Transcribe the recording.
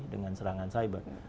dengan serangan cyber